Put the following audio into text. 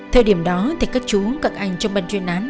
theo điểm đó thì các chú cận ảnh trong ban chuyên án